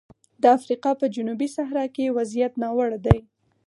د افریقا په جنوبي صحرا کې وضعیت ناوړه دی.